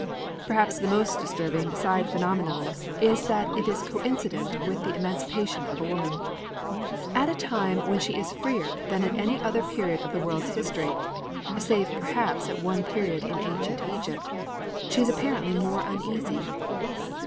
Perhaps the most disturbing side of the phenomenon is that it is coincident with the emancipation of woman. At a time when she is freer than at any other period of the world's history save perhaps at one period in ancient Egypt she is apparently more uneasy.